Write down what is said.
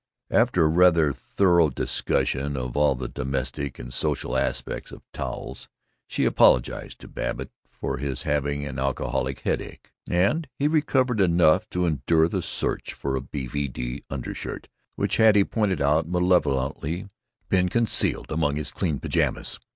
After a rather thorough discussion of all the domestic and social aspects of towels she apologized to Babbitt for his having an alcoholic headache; and he recovered enough to endure the search for a B.V.D. undershirt which had, he pointed out, malevolently been concealed among his clean pajamas.